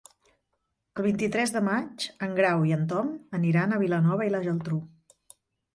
El vint-i-tres de maig en Grau i en Tom aniran a Vilanova i la Geltrú.